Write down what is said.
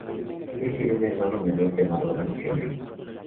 Él tiene un hermano menor llamado Adam Kennedy.